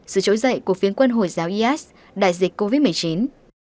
sự trỗi dậy của phiến quân hồi giáo is đại dịch covid một mươi chín